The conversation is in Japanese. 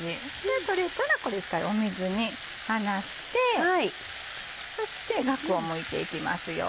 取れたらこれ一回水に放してそしてガクをむいていきますよ。